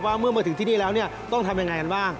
ว่าเมื่อมาถึงที่นี่แล้วต้องทำอย่างไรกันบ้าง